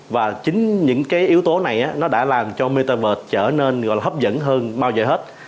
và chính những cái yếu tố này nó đã làm cho metaverse trở nên gọi là hấp dẫn hơn bao giờ hết